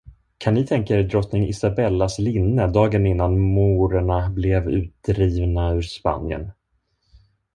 Kan ni tänka er drottning Isabellas linne, dagen innan morerna blev utdrivna ur Spanien?